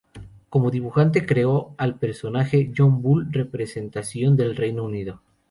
Como dibujante creó al personaje "John Bull", representación del Reino Unido.